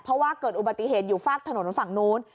เพราะว่าเกิดอุบัติเหตุอยู่ฝากถนนฝั่งนู้น